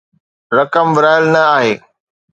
رقم ورهايل نه آهي